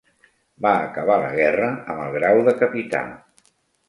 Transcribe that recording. Va acabar la guerra amb el grau de capità.